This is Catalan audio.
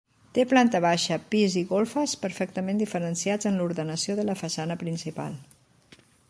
Té planta baixa, pis i golfes perfectament diferenciats en l'ordenació de la façana principal.